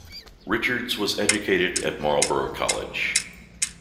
Richards was educated at Marlborough College.